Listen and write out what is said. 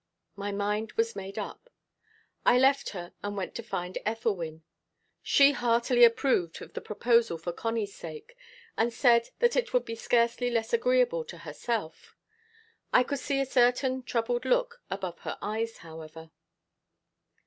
My mind was made up. I left her, and went to find Ethelwyn. She heartily approved of the proposal for Connie's sake, and said that it would be scarcely less agreeable to herself. I could see a certain troubled look above her eyes, however.